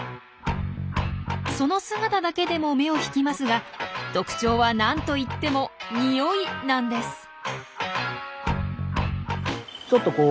その姿だけでも目を引きますが特徴はなんといってもにおいなんです。